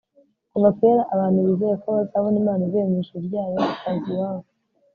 kuva kera abantu bizeye ko bazabona imana ivuye mu ijuru ryayo, ikaza iwabo